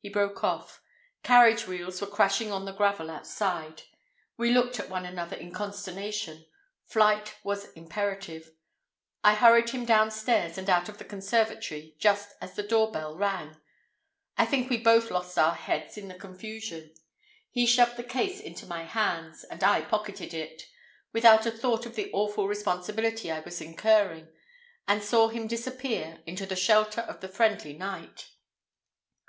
He broke off. Carriage wheels were crashing on the gravel outside. We looked at one another in consternation. Flight was imperative. I hurried him downstairs and out of the conservatory just as the door bell rang. I think we both lost our heads in the confusion. He shoved the case into my hands, and I pocketed it, without a thought of the awful responsibility I was incurring, and saw him disappear into the shelter of the friendly night.